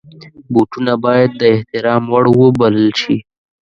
بوټونه باید د احترام وړ وبلل شي.